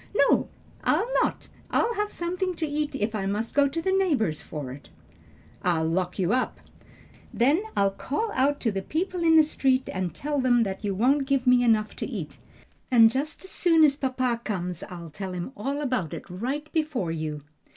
"No, I'll not. I'll have something to eat if I must go to the neighbors for it." "I'll lock you up." "Then I'll call out to the people in the street and tell them you won't give me enough to eat. And just as soon as papa comes I'll tell him all about it right before you."